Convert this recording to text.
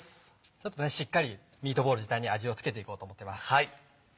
ちょっとねしっかりミートボール自体に味を付けていこうと思ってます。